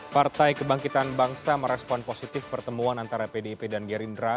partai kebangkitan bangsa merespon positif pertemuan antara pdip dan gerindra